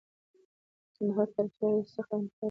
د کندهار د تاریخي ارزښت څخه انکار نه کيږي.